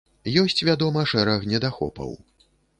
Ёсць, вядома, шэраг недахопаў.